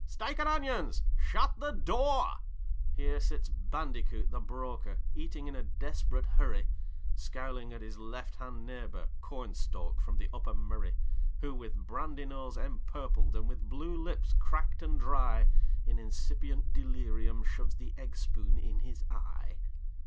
'Steak and onions!' 'Shut the door!' Here sits bandicoot, the broker, eating in a desparate hurry, Scowling at his left hand neighbour, Cornstalk from the Upper Murray, Who with brandy nose enpurpled, and with blue lips cracked and dry, In incipient delirium shoves the eggspoon in his eye.